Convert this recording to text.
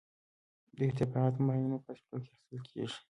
دا ارتفاعات په معینو فاصلو کې اخیستل کیږي